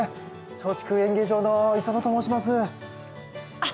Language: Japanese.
松竹演芸場の磯野と申しますあっ